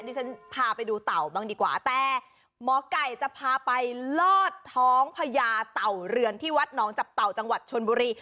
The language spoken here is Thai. ที่ฉันพาไปดูเต่าบ้างดีกว่าแต่หมอไก่จะพาไปลอดท้องพญาเต่าเรือนที่วัดหนองจับเต่าจังหวัดชนบุรี